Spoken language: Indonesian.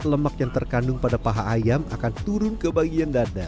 lemak yang terkandung pada paha ayam akan turun ke bagian dada